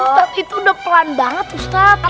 ustadz itu udah pelan banget ustadz